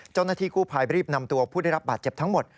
เจ้าหน้าที่กู้ภัยรีบนำตัวผู้ได้รับบาดเจ็บทั้งหมด